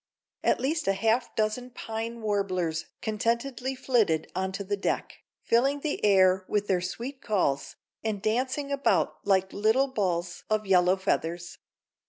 At least half a dozen pine warblers contentedly flitted onto the deck, filling the air with their sweet calls, and dancing about like little balls of yellow feathers.